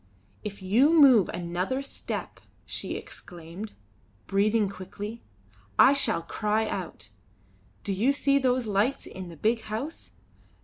"If you move another step," she exclaimed, breathing quickly, "I shall cry out. Do you see those lights in the big house?